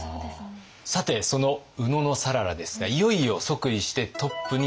さてその野讃良ですがいよいよ即位してトップになります。